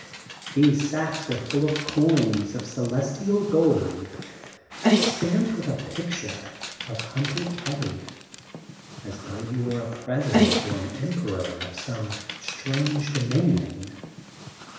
These sacks are full of coins of Celestial gold, stamped with a picture of Hunter Kelly, as though he were a Presi dent or an Emperor of some strange dominion.